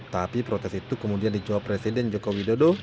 tapi protes itu kemudian dijawab presiden joko widodo